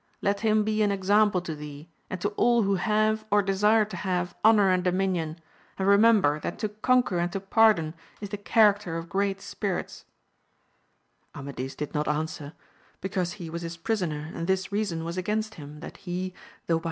Let him be an example to thee, and to all who have, or desue to have, honour and dominion; and remember that to conquer and to pardon is the character of great spirits* Amadis did not answer, because he was his prisoner, and this reason was against him, that he, though by AMADI8 OF GAUL.